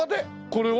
これを？